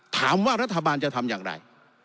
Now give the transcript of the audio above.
ถามว่ารัฐบาลจะทำอย่างไร